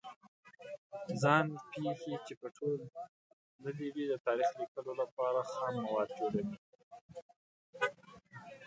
ځان پېښې چې په تول تللې وي د تاریخ لیکلو لپاره خام مواد جوړوي.